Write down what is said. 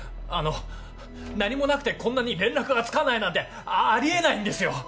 あの何もなくてこんなに連絡がつかないなんてあり得ないんですよ！